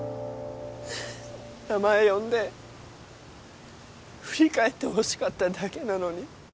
名前呼んで振り返ってほしかっただけなのに。